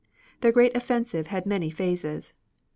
Their great offensive had many phases.